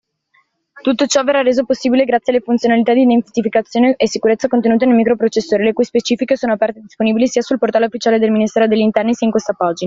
Tutto ciò verrà reso possibile grazie alle funzionalità di identificazione e sicurezza contenute nel microprocessore, le cui specifiche sono aperte e disponibili sia sul portale ufficiale del Ministero degli Interni, sia in questa pagina.